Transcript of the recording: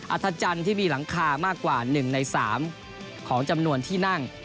อธจันทร์ที่มีหลังคามากกว่า๑ใน๓ของจำนวนที่นั่ง